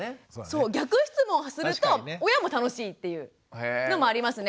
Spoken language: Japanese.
そう逆質問すると親も楽しいっていうのもありますね。